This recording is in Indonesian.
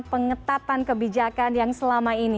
pengetatan kebijakan yang selamat